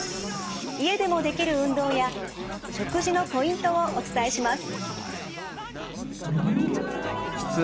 家でもできる運動や食事のポイントをお伝えします。